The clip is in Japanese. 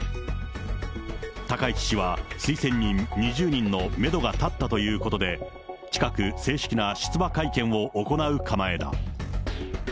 高市氏は、推薦人２０人のメドが立ったということで、近く、正式な出馬会見を行う構えだ。